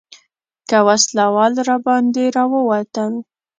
که وسله وال راباندې راووتل.